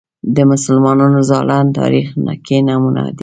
د مسلمانانو زاړه تاریخ کې نمونه ده